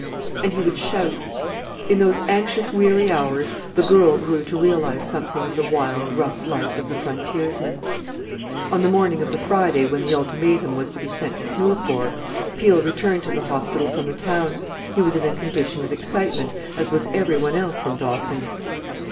and he would shout. In those anxious weary hours the girl grew to realize something of the wild, rough life of the frontiersmen. On the morning of the Friday when the ultimatum was to be sent to Smoothbore, Peel returned to the hospital from the town. He was in a condition of excitement, as was every one else in Dawson.